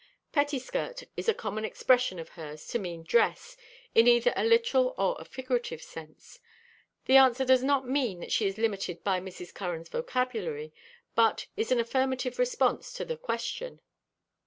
"Pettiskirt" is a common expression of hers to mean dress, in either a literal or a figurative sense. The answer does not mean that she is limited by Mrs. Curran's vocabulary, but is an affirmative response to the question.